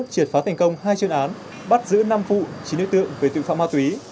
triệt phá thành công hai chuyên án bắt giữ năm vụ chín nơi tượng về tự phạm ma túy